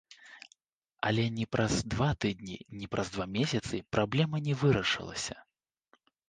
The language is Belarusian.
Але ні праз два тыдні, ні праз два месяцы праблема не вырашылася.